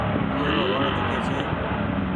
اي رو وڻ ڪٺي ڇي۔